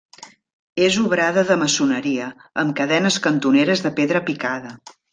És obrada de maçoneria, amb cadenes cantoneres de pedra picada.